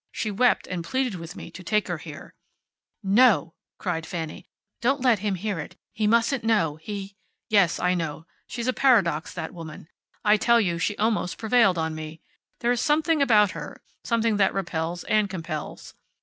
She wept and pleaded with me to take her here." "No!" cried Fanny. "Don't let him hear it. He mustn't know. He " "Yes, I know. She is a paradox, that woman. I tell you, she almost prevailed on me. There is something about her; something that repels and compels."